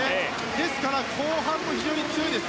ですから後半も非常に強いです。